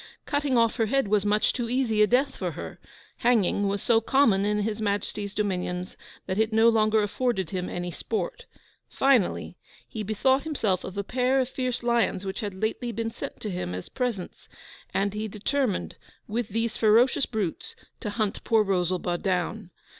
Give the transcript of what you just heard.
Cutting off her head was much too easy a death for her; hanging was so common in His Majesty's dominions that it no longer afforded him any sport; finally, he bethought himself of a pair of fierce lions which had lately been sent to him as presents, and he determined, with these ferocious brutes, to hunt poor Rosalba down.